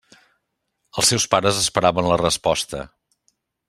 Els seus pares esperaven la resposta.